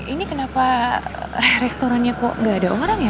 ini kenapa restorannya kok gak ada orang ya